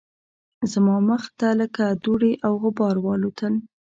زما مخ ته لکه دوړې او غبار والوتل